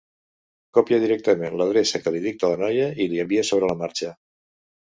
Copia directament l'adreça que li dicta la noia i li envia sobre la marxa.